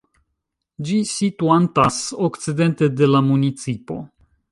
Ĝi situantas okcidente de la municipo.